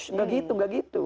enggak gitu enggak gitu